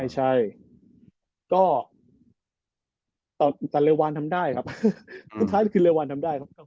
ใช่ก็แต่เรวานทำได้ครับสุดท้ายคือเรวานทำได้ครับ